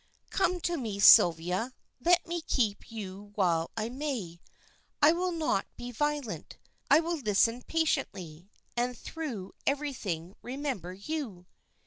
"Come to me, Sylvia; let me keep you while I may. I will not be violent; I will listen patiently, and through everything remember you."